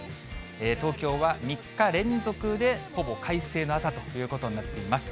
東京は３日連続でほぼ快晴の朝ということになっています。